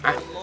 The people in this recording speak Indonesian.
udah aja nisa